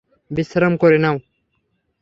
বিশ্রাম করে নাও।